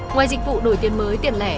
ngoài dịch vụ đổi tiền mới tiền lẻ